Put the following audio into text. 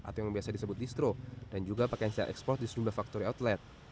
atau yang biasa disebut distro dan juga pakaian sel ekspor di sejumlah factory outlet